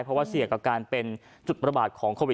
เพราะว่าเสี่ยงกับการเป็นจุดประบาดของโควิด